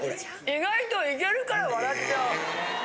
意外といけるから笑っちゃう。